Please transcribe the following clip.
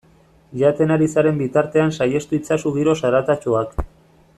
Jaten ari zaren bitartean saihestu itzazu giro zaratatsuak.